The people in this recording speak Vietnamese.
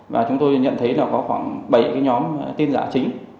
và chúng tôi nhận thấy là có khoảng bảy cái nhóm tin giả chính